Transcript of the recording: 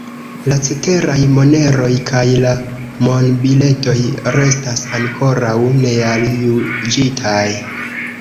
La ceteraj moneroj kaj la monbiletoj restas ankoraŭ nealjuĝitaj.